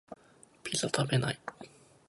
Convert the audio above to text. ピザ食べない？